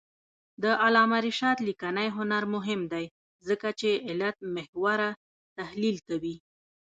د علامه رشاد لیکنی هنر مهم دی ځکه چې علتمحوره تحلیل کوي.